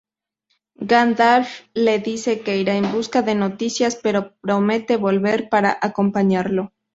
Gandalf le dice que irá en busca de noticias, pero promete volver para acompañarlo.